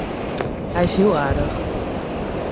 Hy is hiel aardich.